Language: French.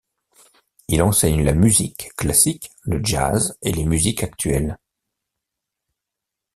Il enseigne la musique classique, le jazz et les musiques actuelles.